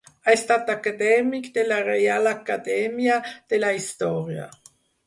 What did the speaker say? Ha estat acadèmic de la Reial Acadèmia de la Història.